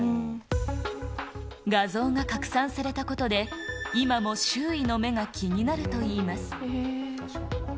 画像が拡散されたことで、今も周囲の目が気になるといいます。